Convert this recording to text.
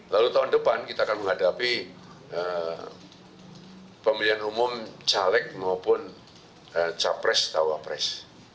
lalu tahun depan kita akan menghadapi pemilihan umum caleg maupun capres cawapres